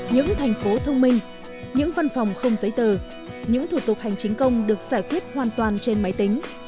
những thành phố thông minh những văn phòng không giấy tờ những thủ tục hành chính công được giải quyết hoàn toàn trên máy tính